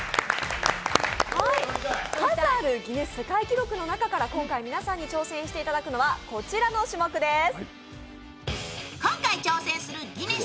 数あるギネス世界記録の中から今回、皆さんに挑戦していただくのはこちらの種目です。